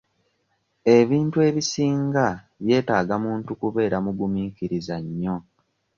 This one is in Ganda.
Ebintu ebisinga byetaaga muntu kubeera mugumiikiriza nnyo.